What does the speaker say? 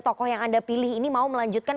tokoh yang anda pilih ini mau melanjutkan